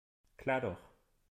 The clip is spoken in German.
Klar doch.